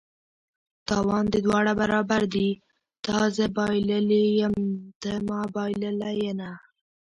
تاوان د دواړه برابر دي: تا زه بایللي یم ته ما بایلله ینه